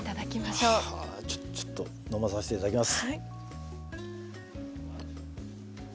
ちょちょっと飲まさせていただきます。